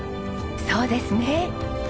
そうですね。